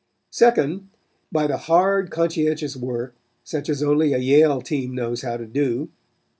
Second, by the hard, conscientious work, such as only a Yale team knows how to do.